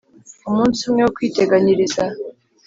umunsi umwe wo kwiteganyiriza.